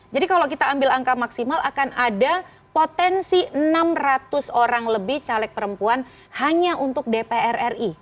kalau kita ambil angka maksimal akan ada potensi enam ratus orang lebih caleg perempuan hanya untuk dpr ri